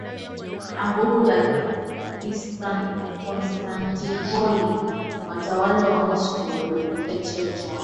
anguko la Konstantinopoli watawala wa Moscow walipokea cheo cha